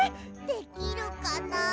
できるかなあ。